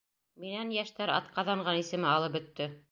Минән йәштәр атҡаҙанған исеме алып бөттө.